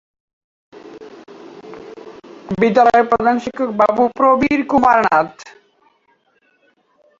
বিদ্যালয়ের প্রধান শিক্ষক বাবু প্রবীর কুমার নাথ।